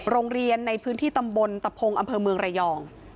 โรงเรียนในพื้นที่ตำบลตะพงอำเภอเมืองระยอง